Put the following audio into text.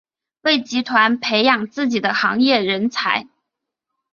为集团培养自己的行业人才。